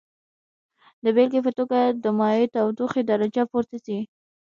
د بیلګې په توګه د مایع تودوخې درجه پورته ځي.